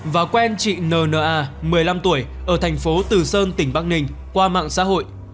và quen chị n n a một mươi năm tuổi ở thành phố từ sơn tỉnh bắc ninh qua mạng xã hội